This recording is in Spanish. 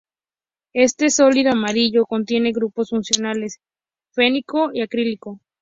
Este sólido amarillo contiene grupos funcionales fenólico y acrílico.